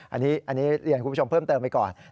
อันนี้เรียนคุณผู้ชมเพิ่มเติมไปก่อน